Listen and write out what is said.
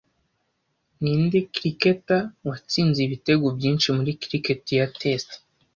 Ninde Cricketer watsinze ibitego byinshi muri cricket ya test